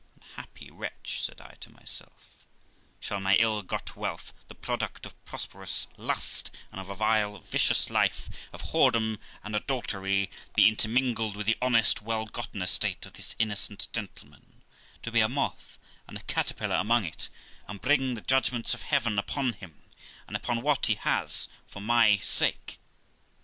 'Unhappy wretch', said I to myself, 'shall my ill got wealth, the product of prosperous lust, and of a vile and vicious life of whoredom and adultery, be intermingled with the honest well gotten estate of this innocent gentleman, to be a moth and a cater pillar among it, and bring the judgments of heaven upon him, and upon what he has, for my sake